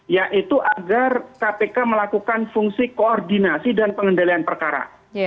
yaitu agar kpk melakukan fungsi koordinasi dan pengendalian perkara